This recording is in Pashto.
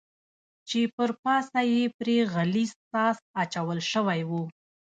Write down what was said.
چې پر پاسه یې پرې غلیظ ساس اچول شوی و.